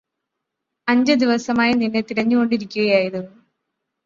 അഞ്ചുദിവസമായി നിന്നെ തിരഞ്ഞുകൊണ്ടിരിക്കുകയായിരുന്നു